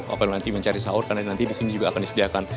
apa yang nanti mencari sahur karena nanti disini juga akan disediakan